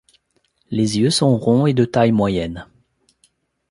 Les yeux sont ronds et de taille moyenne.